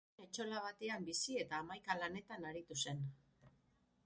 Han etxola batean bizi eta hamaika lanetan aritu zen.